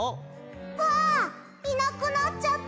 ああいなくなっちゃった！